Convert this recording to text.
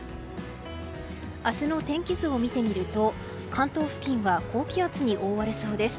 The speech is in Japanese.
明日の天気図を見てみると関東付近は高気圧に覆われそうです。